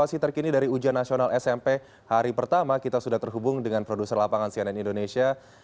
selamat siang aldi